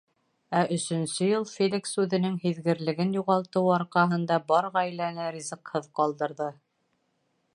Ә өсөнсө йыл Феликс үҙенең һиҙгерлеген юғалтыуы арҡаһында бар ғаиләне ризыҡһыҙ ҡалдырҙы.